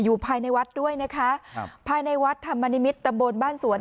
ภายในวัดด้วยนะคะครับภายในวัดธรรมนิมิตรตำบลบ้านสวน